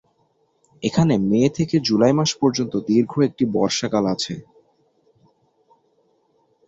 এখানে মে থেকে জুলাই মাস পর্যন্ত দীর্ঘ একটি বর্ষাকাল আছে।